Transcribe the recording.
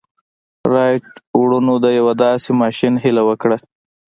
رایټ وروڼو د یوه داسې ماشين هیله وکړه